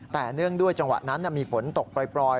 แต่เนื่องด้วยจังหวะนั้นมีฝนตกปล่อย